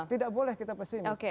tidak boleh kita pesimis